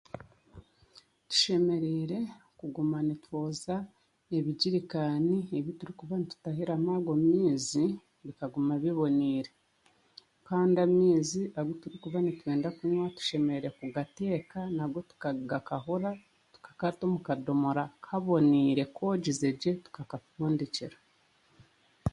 Tushemereire kuguma nitwoza ebigirikaani ebiturikuba nitutahiramu ago maizi bikaguma biboneire, kandi maizi aguturikuba nitwenda kunywa tushemereire kugateeka nago tukaga gakahora tukagata omu kadoomora kaboneire k'ogize gye tukakafundikira.